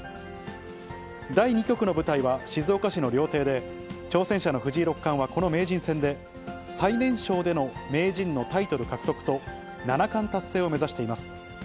第２局の舞台は静岡市の料亭で、挑戦者の藤井六冠はこの名人戦で最年少での名人のタイトル獲得と、七冠達成を目指しています。